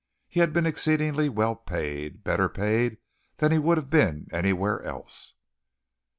He had been exceedingly well paid better paid than he would have been anywhere else.